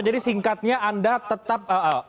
jadi singkatnya anda tetap